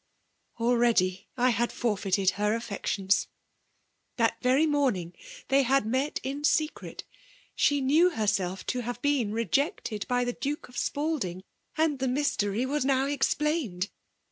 Already, I had forfeited her affeetioBs. That very moimng, they had met in secret; she knew herself to have be^ rejected by the Duke of Spalding. And the mystery was now explained.